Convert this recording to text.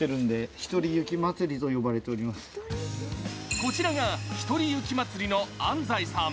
こちらが、ひとり雪まつりの安齋さん。